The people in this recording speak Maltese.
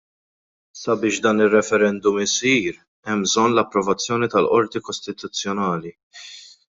Sabiex dan ir-referendum isir hemm bżonn l-approvazzjoni tal-Qorti Kostituzzjonali.